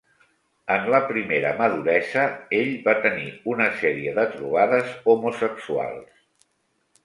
En la primera maduresa ell va tenir una sèrie de trobades homosexuals.